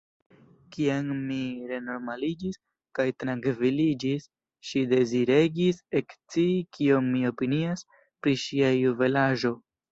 Kiam mi renormaliĝis kaj trankviliĝis, ŝi deziregis ekscii kion mi opinias pri ŝia juvelaĵo.